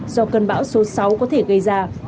do cơn bão số sáu có thể gây ra